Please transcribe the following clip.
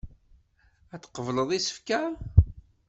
Ad tqebleḍ isefka.